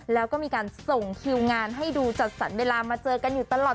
แล้วก็มีการส่งคิวงานให้ดูจัดสรรเวลามาเจอกันอยู่ตลอด